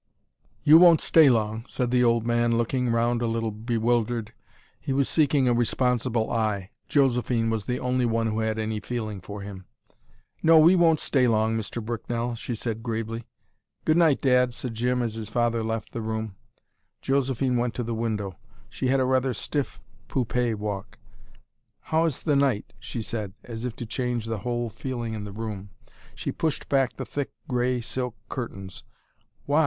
"You won't stay long," said the old man, looking round a little bewildered. He was seeking a responsible eye. Josephine was the only one who had any feeling for him. "No, we won't stay long, Mr. Bricknell," she said gravely. "Good night, Dad," said Jim, as his father left the room. Josephine went to the window. She had rather a stiff, poupee walk. "How is the night?" she said, as if to change the whole feeling in the room. She pushed back the thick grey silk curtains. "Why?"